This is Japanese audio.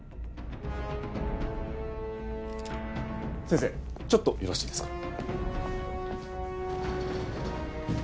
先生ちょっとよろしいですか？